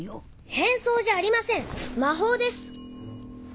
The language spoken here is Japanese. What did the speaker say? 変装じゃありません魔法です。